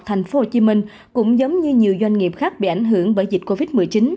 thành phố hồ chí minh cũng giống như nhiều doanh nghiệp khác bị ảnh hưởng bởi dịch covid một mươi chín